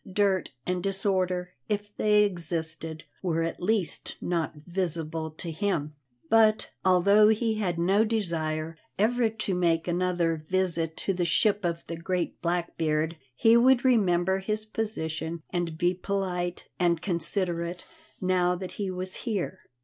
Dirt and disorder, if they existed, were at least not visible to him. But, although he had no desire ever to make another visit to the ship of the great Blackbeard, he would remember his position and be polite and considerate now that he was here.